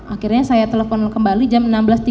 akhirnya saya telepon kembali jam enam belas tiga puluh